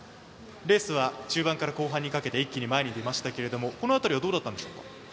レースは中盤から後半にかけて一気に前に出ましたけどこの辺りはどうだったんでしょう。